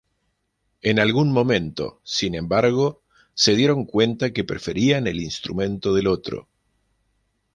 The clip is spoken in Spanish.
En algún momento, sin embargo, se dieron cuenta que preferían el instrumento del otro.